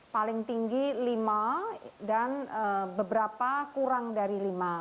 paling tinggi lima dan beberapa kurang dari lima